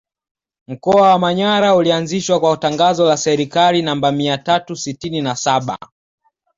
Mkoa wa Manyara ulianzishwa kwa tangazo la Serikali namba mia tatu sitini na saba